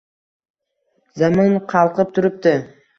Zamin qalqib turibdi.